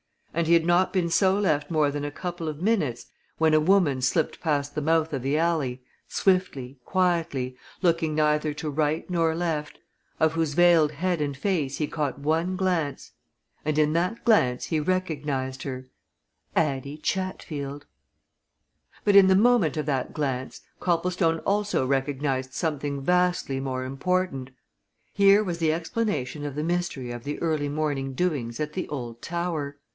And he had not been so left more than a couple of minutes when a woman slipped past the mouth of the alley, swiftly, quietly, looking neither to right nor left, of whose veiled head and face he caught one glance. And in that glance he recognized her Addie Chatfield! But in the moment of that glance Copplestone also recognized something vastly more important. Here was the explanation of the mystery of the early morning doings at the old tower.